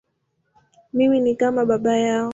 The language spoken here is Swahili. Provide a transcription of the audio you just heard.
Mimi ni kama baba yao.